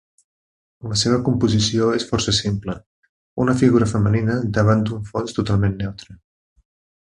La seva composició és força simple, una figura femenina davant d'un fons totalment neutre.